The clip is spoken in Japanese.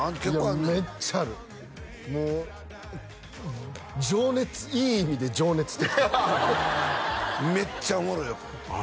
めっちゃあるもう情熱いい意味で情熱的めっちゃおもろいよああ